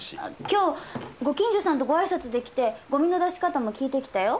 今日ご近所さんとご挨拶できてごみの出し方も聞いてきたよ。